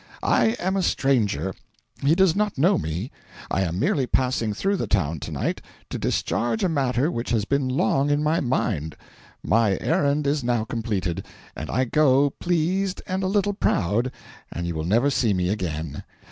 I am a stranger; he does not know me; I am merely passing through the town to night to discharge a matter which has been long in my mind. My errand is now completed, and I go pleased and a little proud, and you will never see me again.